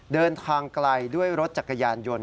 เดินทางไกลด้วยรถจักรยานยนต์